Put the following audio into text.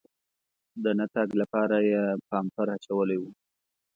د نه تګ لپاره یې پامپر اچولی و.